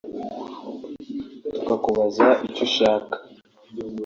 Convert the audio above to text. tukakubaza icyo ushaka